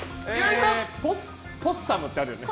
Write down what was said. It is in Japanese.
ポッサムってあるよね。